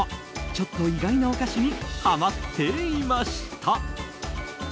ちょっと意外なお菓子にハマっていました。